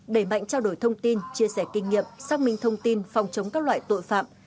đẩy mạnh trao đổi thông tin chia sẻ kinh nghiệm xác minh thông tin phòng chống các loại tội phạm